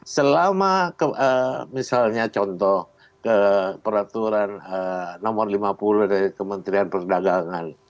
selama misalnya contoh ke peraturan nomor lima puluh dari kementerian perdagangan